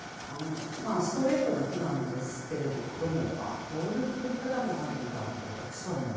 ストレートな句なんですけれどもああこういう作り方もあるんだと私は思いました。